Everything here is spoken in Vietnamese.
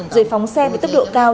rồi phóng xe với tức độ cao